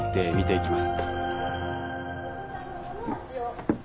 頂きます。